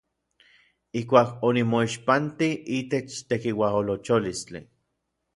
Ijkuak onimoixpantij itech tekiuajolocholistli.